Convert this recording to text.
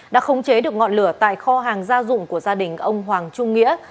đã khống chế được ngọn lửa tại kho hàng gia dụng của gia đình ông hoàng trung nghĩa